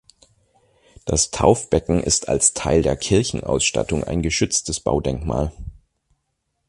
Das Taufbecken ist als Teil der Kirchenausstattung ein geschütztes Baudenkmal.